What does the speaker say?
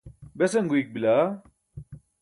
besan guyik bila